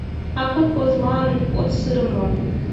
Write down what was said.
А колхозлан от сыре мо?